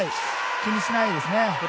気にしないですね。